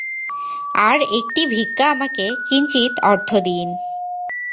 আর-একটি ভিক্ষা– আমাকে কিঞ্চিৎ অর্থ দিন।